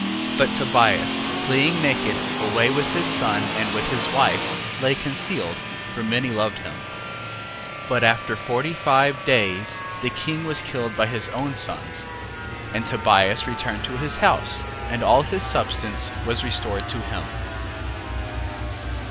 1:23. But Tobias fleeing naked away with his son and with his wife, lay concealed, for many loved him. 1:24. But after forty five days, the king was killed by his own sons. 1:25. And Tobias returned to his house, and all his substance was restored to him.